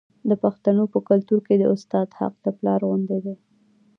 د پښتنو په کلتور کې د استاد حق د پلار غوندې دی.